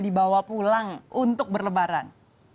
dibawa pulang untuk berlebaran